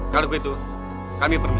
kalau begitu kami permisi